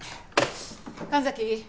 神崎。